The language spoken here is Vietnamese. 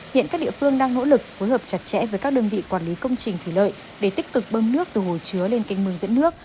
hiện các địa phương đang nỗ lực phối hợp chặt chẽ với các đơn vị quản lý công trình thủy lợi để tích cực bơm nước từ hồ chứa lên kênh mương dẫn nước